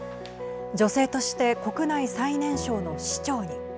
女性として国内最年少の市長に。